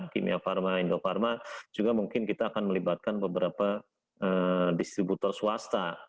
kimia farma indo farma juga mungkin kita akan melibatkan beberapa distributor swasta